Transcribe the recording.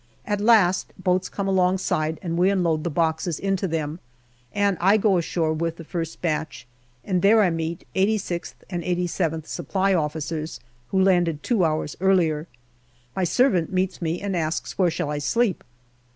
At last, boats come alongside and we unload the boxes into them, and I go ashore with the first batch, and there I meet 86th and 87th Supply Officers, who landed two hours earlier. My servant meets me and asks where shall I sleep.